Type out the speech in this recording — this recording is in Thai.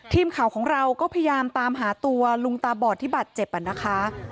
ทีมข่าวของเราก็พยายามตามหาตัวลุงตาบอดที่บาดเจ็บนะคะ